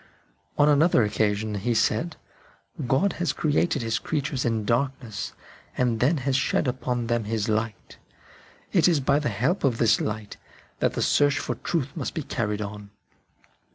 On another occasion he said :" God has created His creatures in darkness, and then has shed upon them His light." It is by the help of this light that the search for truth must be carried on.